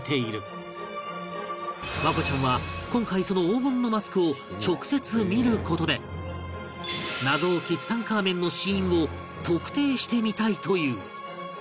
環子ちゃんは今回その黄金のマスクを直接見る事で謎多きツタンカーメンの死因を特定してみたいという